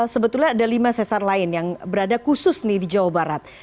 sebetulnya ada lima sesar lain yang berada khusus nih di jawa barat